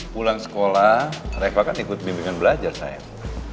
pulang sekolah reva kan ikut bimbingan belajar sayang